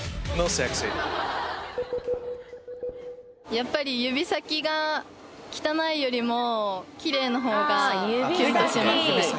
やっぱり指先が汚いよりもキレイな方がキュンとしますね。